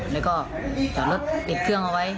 แล้วก็จอดรถติดเครื่องเอาไว้